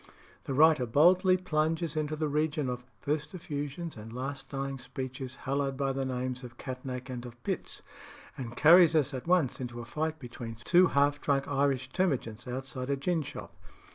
The writer boldly plunges into the region of "first effusions and last dying speeches, hallowed by the names of Catnach and of Pitts," and carries us at once into a fight between two half drunk Irish termagants outside a gin shop.